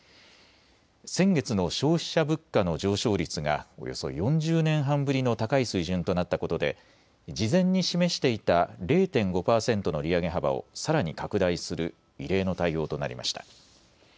先月の消費者物価の上昇率がおよそ４０年半ぶりの高い水準となったことで事前に示していた０．５％の利上げ幅をさらに拡大する異例の対応となりました。